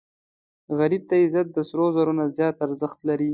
غریب ته عزت د سرو زرو نه ډېر ارزښت لري